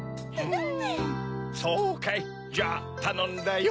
そうかいじゃあたのんだよ。